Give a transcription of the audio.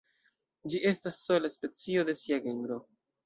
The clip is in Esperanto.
Ĝi estas sola specio de sia genro.